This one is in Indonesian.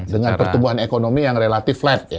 dengan pertumbuhan ekonomi yang relatif flat